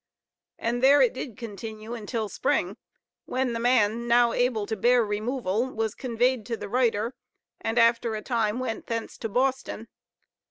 And there it did continue until spring, when the man, now able to bear removal, was conveyed to the writer, and, after a time, went thence to Boston.